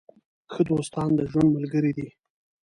ښه دوستان د ژوند ملګري دي.